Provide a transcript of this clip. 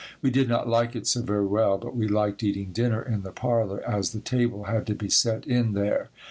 We did not like it so very well but we liked eating dinner in the parlor, as the table had to be set in there.